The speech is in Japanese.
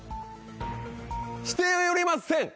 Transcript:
しておりません。